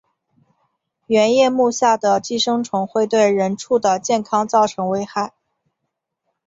圆叶目下的寄生虫会对人畜的健康造成危害。